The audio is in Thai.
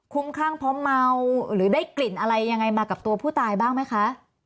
ข้างเพราะเมาหรือได้กลิ่นอะไรยังไงมากับตัวผู้ตายบ้างไหมคะ